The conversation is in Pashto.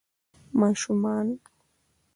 ماشومان